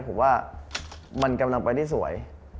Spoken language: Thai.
ผมว่ามันกำลังไปได้สวย